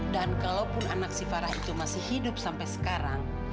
dan kalaupun anak si farah itu masih hidup sampai sekarang